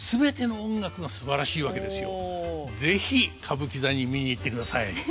でも是非歌舞伎座に見に行ってください。